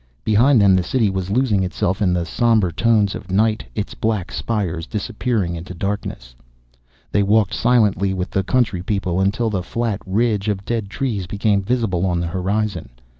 Behind them the City was losing itself in the sombre tones of night, its black spires disappearing into darkness. They walked silently with the country people until the flat ridge of dead trees became visible on the horizon.